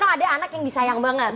ada anak yang disayang banget